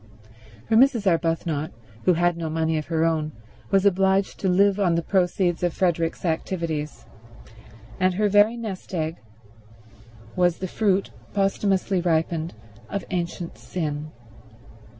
For Mrs. Arbuthnot, who had no money of her own, was obliged to live on the proceeds of Frederick's activities, and her very nest egg was the fruit, posthumously ripened, of ancient sin.